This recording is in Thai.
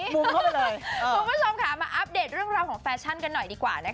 คุณผู้ชมค่ะมาอัปเดตเรื่องราวของแฟชั่นกันหน่อยดีกว่า